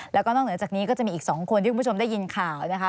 แล้วก็นอกเหนือจากนี้ก็จะมีอีก๒คนที่คุณผู้ชมได้ยินข่าวนะคะ